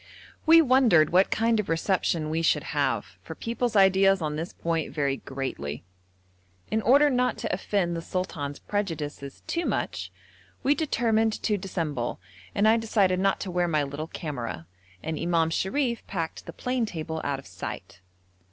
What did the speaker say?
We wondered what kind of reception we should have, for people's ideas on this point vary greatly. In order not to offend the sultan's prejudices too much, we determined to dissemble, and I decided not to wear my little camera, and Imam Sharif packed the plane table out of sight.